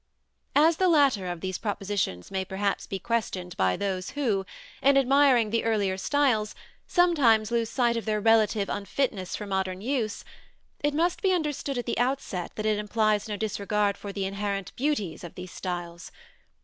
As the latter of these propositions may perhaps be questioned by those who, in admiring the earlier styles, sometimes lose sight of their relative unfitness for modern use, it must be understood at the outset that it implies no disregard for the inherent beauties of these styles.